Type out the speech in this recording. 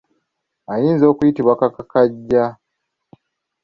Ayinza kuyitibwa kakakajja.